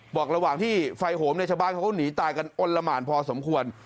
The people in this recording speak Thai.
บอกระหว่างที่ไฟโหมเนี่ยชาวบ้านเขาก็หนีตายกันอ้นละหมานพอสมควร